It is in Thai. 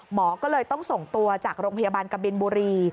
หมอก็เลยต้องส่งตัวจากโรงพยาบาลกบินบุรี